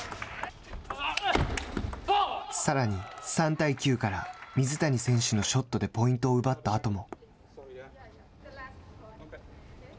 さらに３対９から水谷選手のショットでポイントを奪ったあとも。